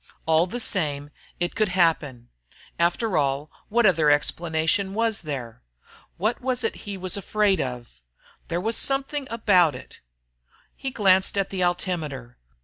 All the same, it could happen. After all, what other explanation was there? What was it he was afraid of? There was something about it He glanced at the altimeter.